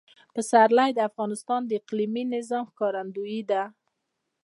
پسرلی د افغانستان د اقلیمي نظام ښکارندوی ده.